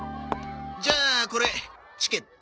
じゃあこれチケット。